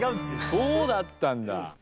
そうだったんだ！